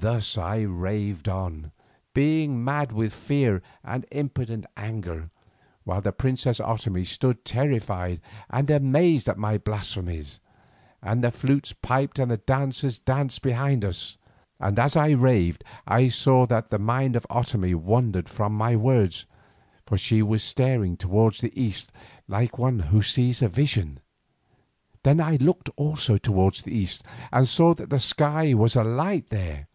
Thus I raved on, being mad with fear and impotent anger, while the princess Otomie stood terrified and amazed at my blasphemies, and the flutes piped and the dancers danced behind us. And as I raved I saw that the mind of Otomie wandered from my words, for she was staring towards the east like one who sees a vision. Then I looked also towards the east and saw that the sky was alight there.